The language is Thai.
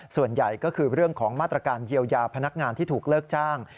ส่วนใหญ่ก็คือเรื่องของมาตรการเยียวยาพนักงานที่ถูกเลิกจ้าง